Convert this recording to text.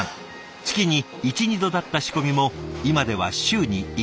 月に１２度だった仕込みも今では週に１回フル稼働。